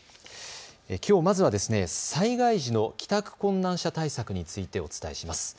きょうまずは災害時の帰宅困難者対策についてお伝えします。